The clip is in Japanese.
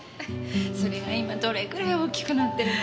それが今どれ位大きくなっているのか。